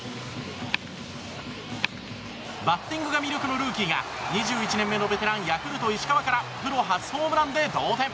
バッティングが魅力のルーキーが２１年目のベテランヤクルト、石川からプロ初ホームランで同点。